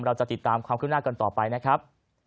เราจะติดตามความขึ้นหน้ากันต่อไปนะครับ